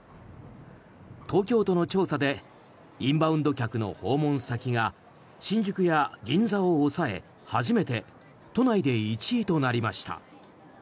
東京都の調査でインバウンド客の訪問先が新宿や銀座を抑え初めて都内で１位となりました。